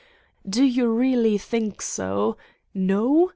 Do you really think so? No?